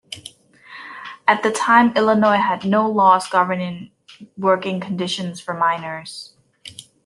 At the time Illinois had no laws governing working conditions for miners.